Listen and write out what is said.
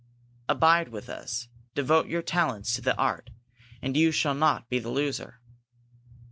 Abide with us, devote your talents to the art, and you shall not be the loser."